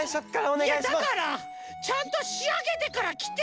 いやだからちゃんとしあげてからきて！